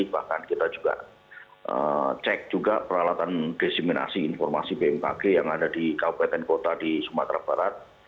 bahkan kita juga cek juga peralatan desiminasi informasi bmkg yang ada di kabupaten kota di sumatera barat